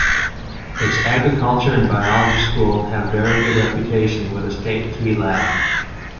Its agriculture and biology school have very good reputation with a State Key Lab.